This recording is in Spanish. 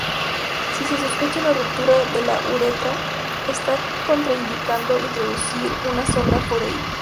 Si se sospecha una ruptura de la uretra, está contraindicado introducir una Sonda Foley.